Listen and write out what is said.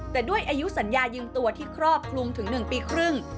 แต่ด้วยอายุสัญญายืมตัวที่ครอบคลุมถึง๑ปีครึ่ง